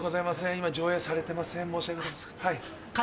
今上映されてません。